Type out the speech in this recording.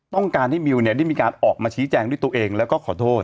ต้องการให้มิวได้มีการออกมาชี้แจงด้วยตัวเองแล้วก็ขอโทษ